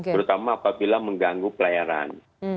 terutama apabila mengganggu pelayaran